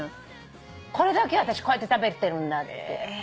これだけは私こうやって食べてるんだって。